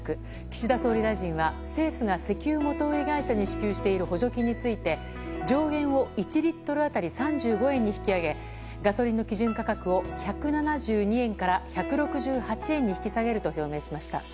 岸田総理大臣は政府が石油元売り会社に支給している補助金について上限を１リットル当たり３５円に引き上げガソリンの基準価格を１７２円から１６８円に引き下げると表明しました。